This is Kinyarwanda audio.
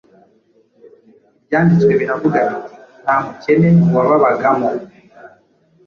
Ibyanditswe biravuga biti, “nta mukene wababagamo”